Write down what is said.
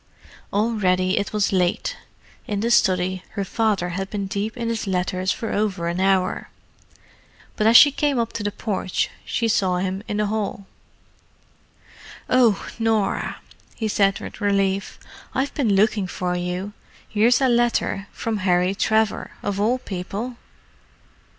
Already it was late; in the study, her father had been deep in his letters for over an hour. But as she came up to the porch she saw him in the hall. "Oh—Norah," he said with relief. "I've been looking for you. Here's a letter from Harry Trevor, of all people!"